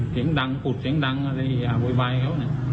เสียงดังปุดเสียงดังอะไรอาวุยวายเขาเนี่ย